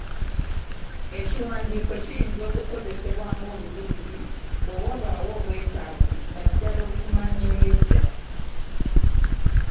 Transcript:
Ekiwandiiko kiyinza okukozesebwa ng'obujulizi bwe wabaawo obwetaavu naddala okumanya eby'edda.